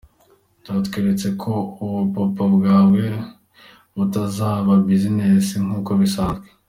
byatweretse ko “ubupapa” bwawe butazaba bizinesi nk’uko bisanzwe.